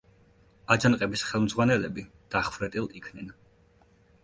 აჯანყების ხელმძღვანელები დახვრეტილ იქნენ.